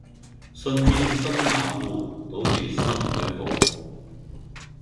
信知生男惡，反是生女好。